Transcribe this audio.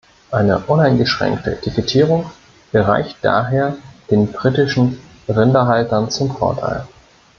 Eine uneingeschränkte Etikettierung gereicht daher den britischen Rinderhaltern zum Vorteil.